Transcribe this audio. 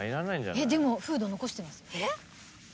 でもフード残してますよ。